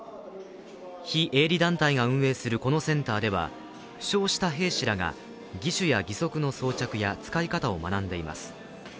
非営利団体が運営するこのセンターでは、負傷した兵士らが義手や義足の装着や使い方を学んでいます。